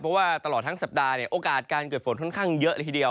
เพราะว่าตลอดทั้งสัปดาห์เนี่ยโอกาสการเกิดฝนค่อนข้างเยอะเลยทีเดียว